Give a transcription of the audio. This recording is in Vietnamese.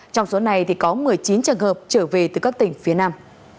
trong số này có một mươi chín trường hợp trở về từ các tỉnh phía nam